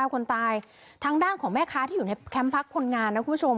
คนตายทางด้านของแม่ค้าที่อยู่ในแคมป์พักคนงานนะคุณผู้ชม